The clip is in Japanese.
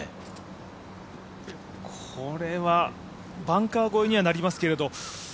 これはバンカー越えにはなりますけど。